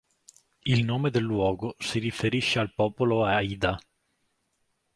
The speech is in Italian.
Il nome del luogo si riferisce al popolo Haida.